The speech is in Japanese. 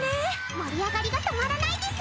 盛り上がりが止まらないです！